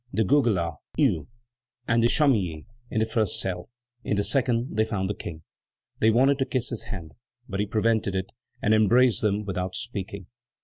de Goguelat, Hue, and de Chamilly in the first cell; in the second they found the King. They wanted to kiss his hand, but he prevented it, and embraced them without speaking.